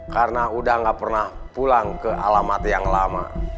karena udah gak pernah pulang ke alamat yang lama